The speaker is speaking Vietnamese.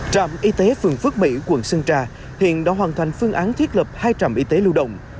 trạm y tế phường phước mỹ quận sơn trà hiện đã hoàn thành phương án thiết lập hai trạm y tế lưu động